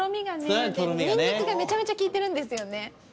ニンニクがめちゃめちゃきいてるんですよね